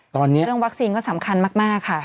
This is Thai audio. ตอนนี้เรื่องวัคซีนก็สำคัญมากค่ะ